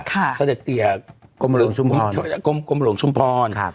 กรมหลวงชุมพร